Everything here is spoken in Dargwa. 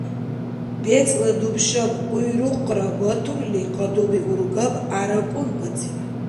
БецӀла дубшаб къуйрукъра батурли, кьадуби-ургаб гӀяра кӀунбацӀиб.